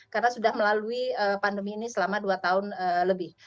karena sudah melalui pandemi ini selama dua tahun lebih